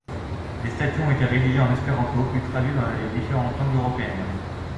Les statuts ont été rédigés en espéranto, puis traduits dans les différentes langues européennes.